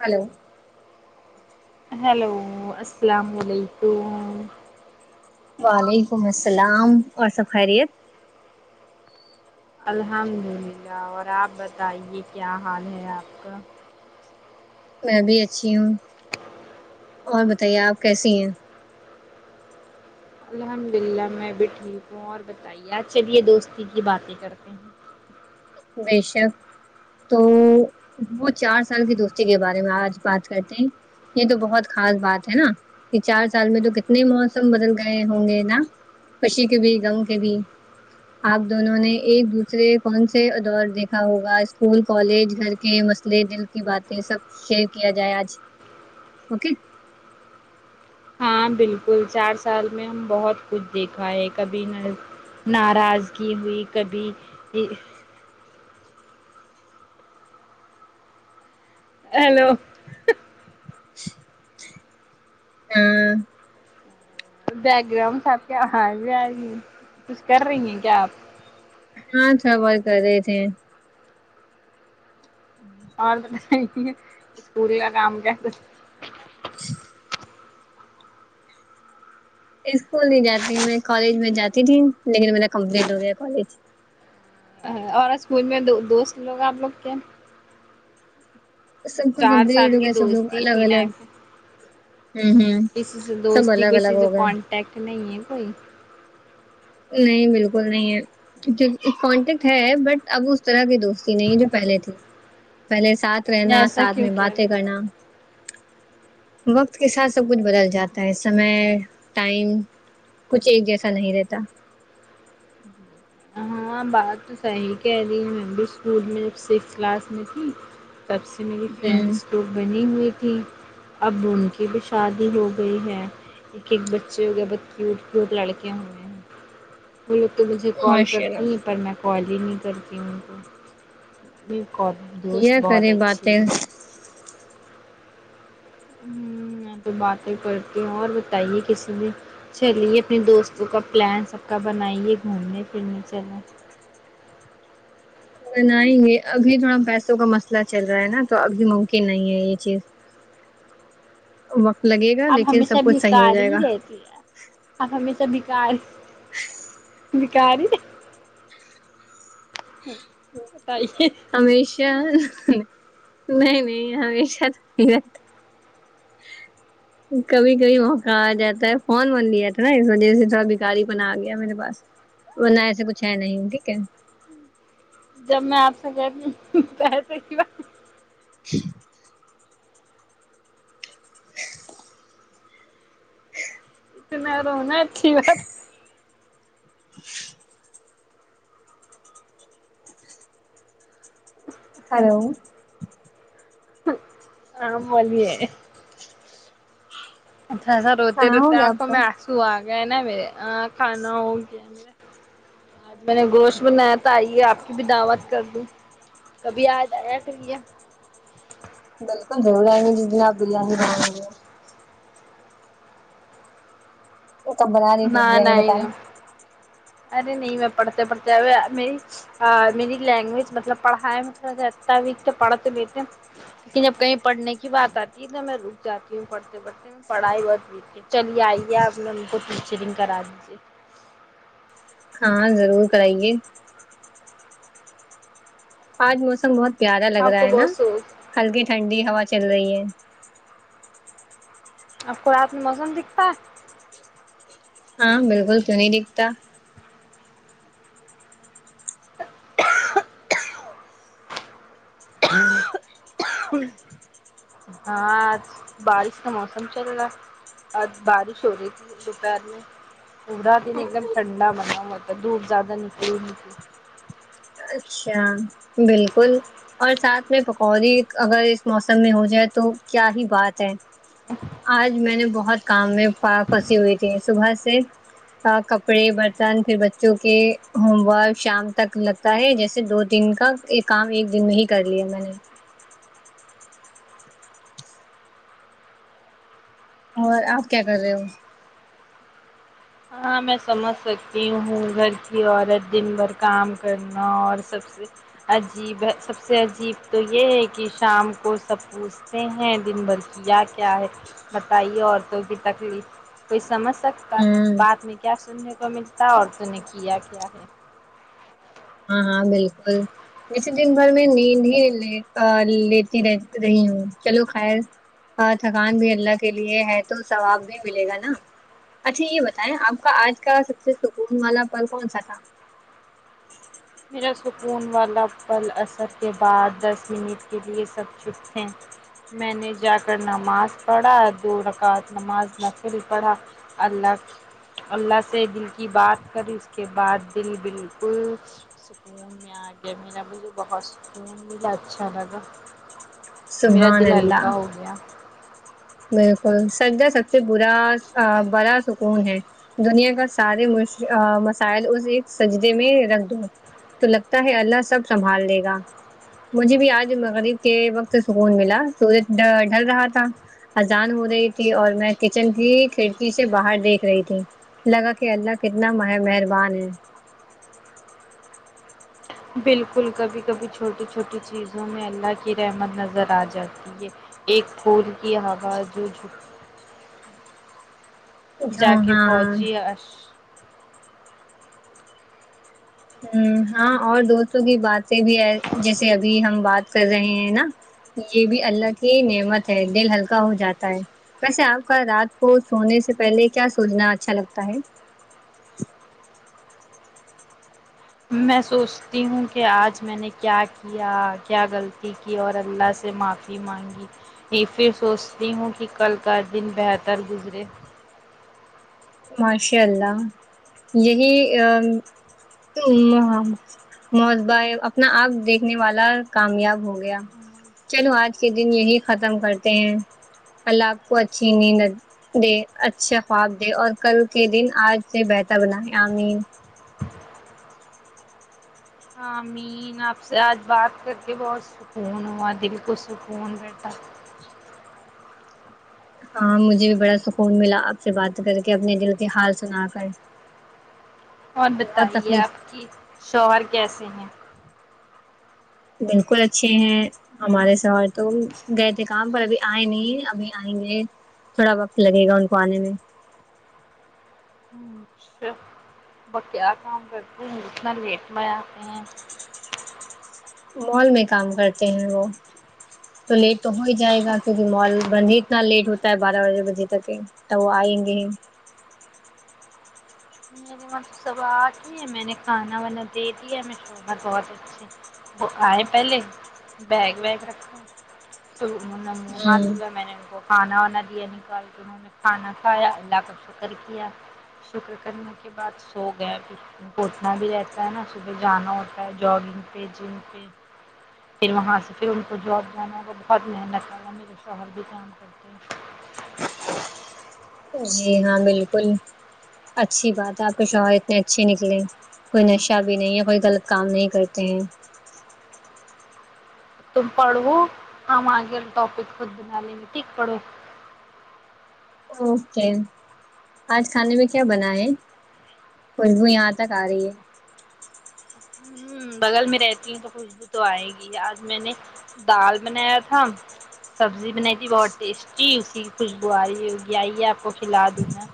hello hello السلام علیکم وعلیکم السلام اور سب خیریت الحمد للہ اور آپ بتائیے کیا حال ہے آپ کا میں بھی اچھی ہوں اور بتائیے آپ کیسی ہیں الحمد للہ میں بھی ٹھیک ہوں اور بتائیے آج چلیے دوستی کی باتیں کرتے ہیں بے شک تو وہ چار سال کی دوستی کے بارے میں آج بات کرتے ہیں یہ تو بہت خاص بات ہے نا کہ چار سال میں تو کتنے موسم بدل گئے ہوں گے نا خوشی کے بھی غم کے بھی آپ دونوں نے ایک دوسرے کون سے دور دیکھا ہوگا اسکول کالج گھر کے مسئلے دل کی باتیں سب شیر کیا جائے آج اوکے ہاں بالکل چار سال میں ہم بہت کچھ دیکھا ہے کبھی نہ ناراضگی ہوئی کبھی ا ہیلو [inaudible] ہاں بیک گراؤنڈ آپ کے آ زے آی کچھ کر رہی ہیں کیا آپ ہاں صفائی کر رے تھے اور بتائیے اسکول کا کام کیسا چ اسکول نہیں جاتی میں کالج میں جاتی تھی لیکن میرا کمپلیٹ ہو گیا کالج اور اسکول میں دو دوست لوگ آپ لوگ کے سب کا چار سال کمپلیٹ ہو کی گیا سب لوگ دوستی تھی الگ نا الگ ہوں ہوں کسی سے سب دوستی الگ الگ کسی سے ہو گئے کانٹیکٹ نہیں ہے کوئی نہیں بالکل نہیں ہے جب کانٹیکٹ ہے بٹ اب اس طرح کے دوستی نہیں جو پہلے تھی پہلے ساتھ رہنا ایسا ساتھ کیوں میں کہہ رہے باتیں کرنا وقت کے ساتھ سب کچھ بدل جاتا ہے سمے ٹائم کچھ ایک جیسا نہیں رہتا ہوں ہوں ہاں بات تو صحیح کہہ رہی ہے میں بھی اسکول میں جب سکس کلاس میں تھی تب سے میری ہوں فرینڈس بنی ہوئی تھی اب ان کی بھی شادی ہو گئی ہے ایک ایک بچے ہو گیا بہت کیوٹ کیوٹ لڑکے ہوئے ہیں وہ لوگ تو مجھے کال کر ماشاء اللہ پر میں کال ہی نہیں کرتی ان کو دکو کیا دوست بہت کرے اچھی باتیں ہے ہوں تو باتیں کرتی ہوں اور بتائیے کسی بھی چلیے اپنے دوستوں کا پلان سب کا بنائیے گھومنے پھرنے چلیں بناینگے ابھی تھوڑا پیسوں کا مسئلہ چل رہا ہے نا تو ابھی ممکن نہیں ہے یہ چیز وقت لگے گا آپ لیکن ہمیشہ سب کچھ صحیح ہو بھکار جائے ہی گا رہتی ہے اپ ہمیشہ بکار بکاری ہاں بتائیے ہمیشہ نہیں نہیں ہمیشہ تو نہیں رہتا کبھی کبھی موقع آ جاتا ہے فون ون لیا تھا نا اس وجہ سے تھوڑا بیھکاری پن آ گیا میرے پاس ورنا ایسے کچھ ہے نہیں ٹھیک ہے جب میں آپ سے کہتی ہوں پیسے کی بات [inaudible] پھر میں رہو نا اچھی بات [inaudible] ہلو ہ آ بولئے اچھا ایسا روتے کھانا ہو روتے گیا آپ آنکھوں کا میں آنسو آ گیا نا میرے ا کھانا ہو گیا ما میں نے گوشت بنایا تو آئیے آپ کی بھی دعوت کر دوں کبھی آ جایا کرئیے بالکل ضرور آئینگے جس دن اپ بریانی بنائینگے پھر کب بنا رہی ن پھر بریانی نہیں بتائیں نہیں ارے نہیں میں پڑھتے پڑھتے ابھی میری ا میری لینگویج مطلب پڑھائی میں تھوڑا س اتا بھی تو پڑھ تو لیتے لیکن جب کہیں پڑھنے کی بات آتی ہے تو میں رک جاتی ہوں پڑھتے پڑھتے پڑھائی بہت ہے چلیے آئیے آپ ان کو ٹیچرنگ کرا دیجیے ہاں ضرور کراینگے آج موسم بہت پیارا لگ آپ رہا کو ہے نا بہت سوچ ہلکی ٹھنڈی ہوا چل رہی ہے اب کو رات میں موسم دکھتا ہاں بالکل کیو نہیں دکھتا کہوں کہوں ہاں آج بارش کا موسم چل رہا آج بارش ہو رہی تھی دوپہر میں پورا دن ایک دم ٹھنڈا بنا ہوا تھا دھوپ زیادہ نکل نہیں تھی اچھا بالکل اور ساتھ میں پکوڑے اگر اس موسم میں ہو جائے تو کیا ہی بات ہے آج میں نے بہت کام میں ف پھنسی ہوئی تھی صبح سے کا کپڑے برتن پھر بچوں کے ہوم ورک شام تک لگتا ہے جیسے دو دن کا کام ایک دن میں ہی کر لیے میں نے اور آپ کیا کر رہے ہو ہاں میں سمجھ سکتی ہوں گھر کی عورت دن بھر کام کرنا اور سب سے عجیب ہے سب سے عجیب تو یہ ہے کہ شام کو سپ پوچھ تے ہیں دن بھر کیا کیا ہے بتائیے عورتوں کی تکلیف کوئی سمجھ سکتا ہے ہوں بعد میں کیا سننے کو ملتا عورتوں نے کیا کیا ہے ہاں ہاں بالکل ویسے دن بھر میں نیند ہی ل ا لیتی رہ رہی ہوں چلو خیر ہاں تھکان بھی اللہ کے لیے ہے تو ثواب بھی ملے گا نا اچھا یہ بتائیں آپ کا آج کا سب سے سکون والا پل کون سا تھا میرا سکون والا پل اثر کے بعد دس منٹ کے لیے سب چپ تھے میں نے جا کر نماز پڑھا دو رکعت نماز نفل پڑھا اللہ اللہ سے دل کی بات کری اس کے بعد دل بالکل سکون میں آ گیا میرا بھی مجھے بہت سکون ملا اچھا لگا میرا سبحان دل اللہ ہلکا ہو گیا بالکل سجدہ سب سے برا بڑا سکون ہے دنیا کا سارے مس مسائل اس ایک سجدے میں رکھ دو تو لگتا ہے اللہ سب سنبھال لے گا مجھے بھی آج مغرب کے وقت سکون ملا سورج ڈا ڈھل رہا تھا اذان ہو رہی تھی اور میں کچن کی کھڑکی سے باہر دیکھ رہی تھی لگا کہ اللہ کتنا م مہربان ہے بالکل کبھی کبھی چھوٹی چھوٹی چیزوں میں اللہ کی رحمت نظر آ جاتی ہے ایک پھول کی ہوا جو جھک جا کے ہاں پہنچی عرش ہ ہاں اور دوستوں کی باتیں بھی ا جیسے ابھی ہم بات کر رہے ہیں نا یہ بھی اللہ کی نعمت ہے دل ہلکا ہو جاتا ہے ویسے آپ کا رات کو سونے سے پہلے کیا سوننا اچھا لگتا ہے میں سوچتی ہوں کہ آج میں نے کیا کیا کیا غلطی کی اور اللہ سے معافی مانگی پھر سوچتی ہوں کہ کل کا دن بہتر گزرے ماشاء اللہ یہی ا تم اہ محاسبہ اپنا آپ دیکھنے والا کامیاب ہو گیا چلو آج کے دن یہی ختم کرتے ہیں اللہ آپ کو اچھی نیند دے اچھا خواب دے اور کل کے دن آج سے بہتر بناے امین امی یں آپ سے آج بات کر کے بہت سکون ہوا دل کو سکون ببیٹھ ہاں مجھے بھی بڑا سکون ملا آپ سے بات کر کے اپنے دل کے حال سنا کر اور بہت بتائیے تکلیف آپ کی شوہر کیسے ہیں بالکل اچھے ہیں ہمارے شوہر تو گئے تھے کام پر ابھی آئے نہیں ابھی آئیں گے تھوڑا وقت لگے گا ان کو آنے میں اچھا وہ کیا کام کرتے ہیں اتنا لیٹ میں آتے ہیں مال میں کام کرتے ہیں وہ تو لیٹ تو ہو ہی جائے اچھا گا کیونکہ مال بند ہی اتنا لیٹ ہوتا ہے بارہ بارہ بجے تک کے تو وہ آئیں گے میرے وہاں تو سوا آٹھ ہی میں نے کھانا وانا دے دیا میرے شوہر بہت اچھے وہ آئے پہلے بیگ ویگ رکھا تو انہوں نے منہ ہاتھ ہوں دھوئے میں نے ان کو کھانا وانا دئیے نکال کے انہوں نے کھانا کھایا اللہ کا شکر کیا شکر کرنے کے بعد سو گئے ابھی ان کو اٹھنا بھی رہتا ہے نہ صبح جانا ہوتا ہے جگنگ پہ جم پہ پھر وہاں سے پھر ان کو جاب جانا وہ بہت محنت کر میرے شوہر بھی کام کر جی ہاں بالکل اچھی بات ہے آپ کے شوہر اتنے اچھے نکلے کوئی نشہ بھی نہیں ہے کوئی غلط کام نہیں کرتے ہیں توم پڑھو ہم اگے ٹاپک خود بنا لینگے ٹھیک پڑھو اوکے آج کھانے میں کیا بناۓ خوشبو یہاں تک آ رہی ہے ہوں بغل میں رہتی ہوں تو خوشبو تو آئے گی آج میں نے دال بنایا تھا سبزی بنائی تھی بہت ٹیسٹی اسی کی خوشبو آرہی ہوگی آئیے آپ کو کھلا دوں میں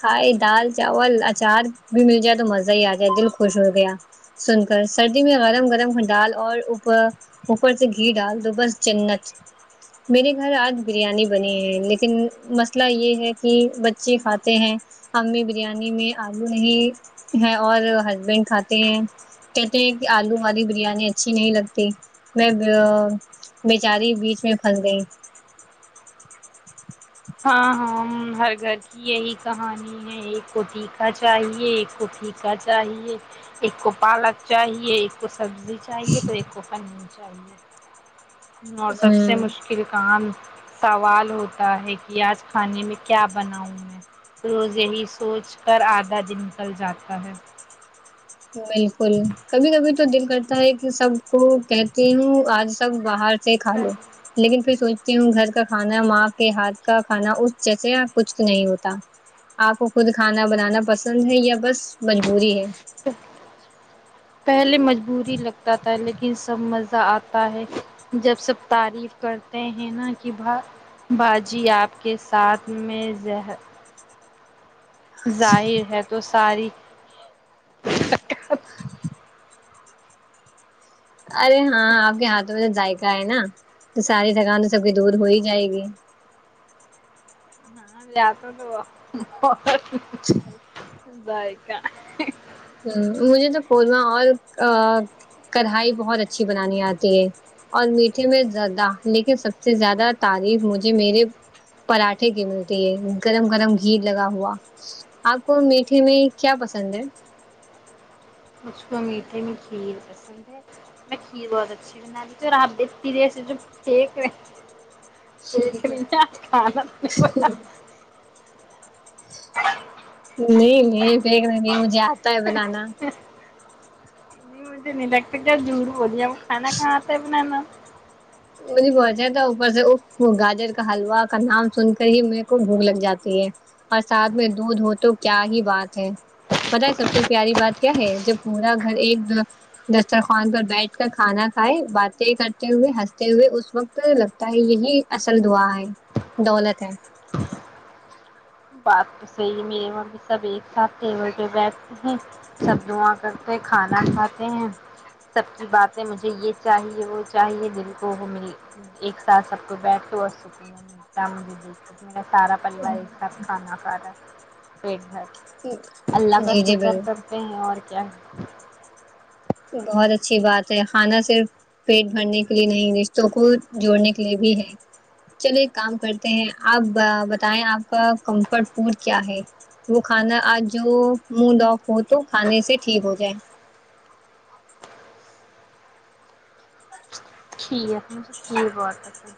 خالی دال چاول اچار بھی مل گاۓ تو مزہ ہی آ جائے دل خوش ہو گیا سن کر سردی میں گرم گرم دال اور اوپر اوپر سے گھی ڈال دو بس جنت میرے گھر آج بریانی بنی ہے لیکن مسئلہ یہ ہے کہ بچے کھا تے ہیں امی بریانی میں آلو نہیں ہے اور ہسبینڈ کھاتے ہیں کہتے ہیں کہ آلو والی بریانی اچھی نہیں لگتی بٹ بیچاری بیچ میں پھنس گئی ہاں ہاں ہر گھر کی یہی کہانی ایک کو تیکھا چاہیے ایک کو پھیکا چاہیے ایک کو پالک چاہیے ایک کو سبزی چاہیے تو ایک کو پنیر چاہیے اور سب سے ہوں مشکل کام سوا ل ہوتا ہے کہ آج کھانے میں کیا بناؤں میں روز یہی سوچ کر آدھا دن نکل جاتا ہے بالکل کبھی کبھی تو دل کرتا ہے کہ سب کو کہتی ہوں آج سب باہر سے کھا لو لیکن پھر سوچتی ہوں گھر کا کھانا ماں کے ہاتھ کا کھانا اس جیسا کچھ نہیں ہوتا آپ کو خود کھانا بنانا پسند ہے یا بس مجبوری ہے پہلے مجبوری لگتا تھا لیکن سب مزہ آ تا ہے جب سب تعریف کرتے ہیں نہ کے بہا باجی آپ کے ساتھ میں زہ ظاہر ہے تو ساری ارے ہاں آپ کے ہاتھ میں تو ذائقہ ہے نا تو ساری تھکان سب کی دور ہو ہی جائے گی ل تو تو وہ [inaudible] ذائقہ ہوں مجھے تو قورمہ اور کڑھائی بہت اچھی بنانی آتی ہے اور میٹھے میں زیادہ لیکے سب سے زیادہ تعریف مجھے میرے پراٹھے کی ملتی ہے گرم گرم گھی لگا ہوا آپ کو میٹھے میں کیا پسند ہے مجھ کو میٹھے میں کھیر پسند ہے میں کھیر بہت اچھی بنا لیتی ہوں اور آپ اتی دیر سو جو پھینک رہے ہے [unintelligible] کھانا پھینک رہی آپ نہیں نہیں پھیک رہی ہوں مجھے آتا ہے بنانا مجھے نہیں لگتا کے آپ جھوٹ بول رہی ہیں کھانا کہاں آتا ہے بنانا مجھے بہت اچھا تھا اوپر سے گاجر کا حلوا کا نام سن کر ہی میرے کو بھوک لگ جاتی ہے اور سا تھ میں دودھ ہو تو کیا ہی بات ہے بتہ سب سے پیاری بات کیا ہے جب پورا گھر ایک دس دسترخوان پر بیٹھ کر کھانا کھائے باتیں کرتے ہوئے ہنس تے ہوئے اس وقت لگتا ہے یہی اصل دعا ہے دولت ہے بات تو صحیح ہے میرے وہاں بھی سب ایک ساتھ تھے وہ جو بیھتے ہیں سب دعا کرتے کھانا کھاتے ہیں سب کی باتیں مجھے یہ چاہیے وہ چاہیے دل کو وہ ملی ایک ساتھ سب کو بیٹھ کے بہت سکوں ملتا ہے مجھے میرا سارا پریوار ایک ساتھ کھانا کھا رہا ہے پیٹ بھر اللہ کا جی جی شکر بالکل کرتے ہیں اور کیا بہت اچھی بات ہے کھانا صرف پیٹ بھرنے کے لیے نہیں رشتوں کو جوڑنے کے لیے بھی ہے چلے ایک کام کرتے ہیں آپ ب بتائیں آپ کا کمفرٹ فڈ کیا ہے وہ کھانا آج جو مڈ آف ہو تو کھانے سے ٹھیک ہو جائے کھیر مجھے کھیر بہت پسند